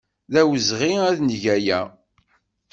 D awezɣi ad neg aya.